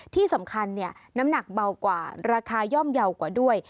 ที่สำคัญน้ำหนักเบากว่าราคาย่อมเยาว์กว่าด้วย